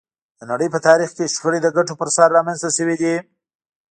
د نړۍ په تاریخ کې شخړې د ګټو پر سر رامنځته شوې دي